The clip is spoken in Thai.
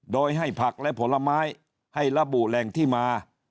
โดยให้ผักและผลไม้ให้ระบุแหล่งที่มา